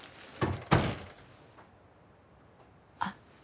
あっ